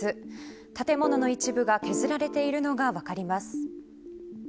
建物の一部が削られているのが分かります。